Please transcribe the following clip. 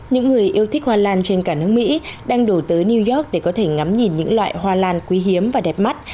những người yêu thích hoa lan trên cả nước mỹ đang đổ tới new york để có thể ngắm nhìn những loại hoa lan quý hiếm và đẹp mắt